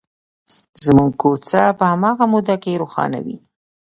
زموږ کوڅه په هماغې موده کې روښانه وي.